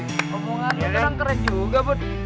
ngomongannya kadang keren juga bud